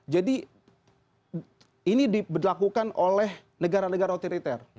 jadi ini dilakukan oleh negara negara otiriter